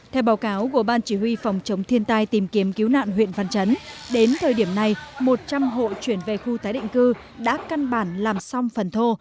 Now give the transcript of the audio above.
theo báo cáo của ban chỉ huy phòng chống thiên tai tìm kiếm cứu nạn huyện văn chấn đến thời điểm này một trăm linh hộ chuyển về khu tái định cư đã căn bản làm xong phần thô